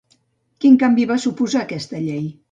Quin canvi va suposar aquesta llei?